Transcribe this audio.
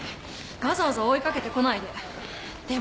わざわざ追い掛けてこないで。